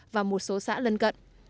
và một số xã lân cận